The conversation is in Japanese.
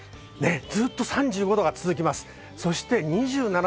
ずっと３５度が続きます。